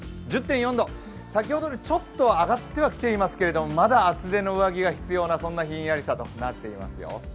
先ほどよりちょっと上がってはきていますけれども、まだ厚手の上着が必要なそんなひんやりとした朝になっていますよ。